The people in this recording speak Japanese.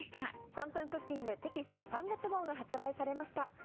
『３分クッキング』テキスト３月号が発売されました。